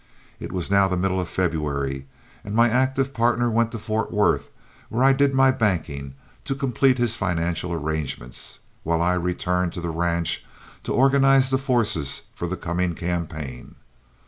It was now the middle of February, and my active partner went to Fort Worth, where I did my banking, to complete his financial arrangements, while I returned to the ranch to organize the forces for the coming campaign.